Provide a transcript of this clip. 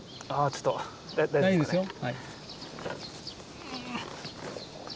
ちょっと大丈夫ですか。